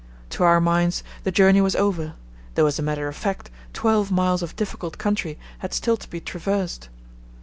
To our minds the journey was over, though as a matter of fact twelve miles of difficult country had still to be traversed.